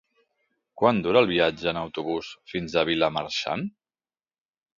Quant dura el viatge en autobús fins a Vilamarxant?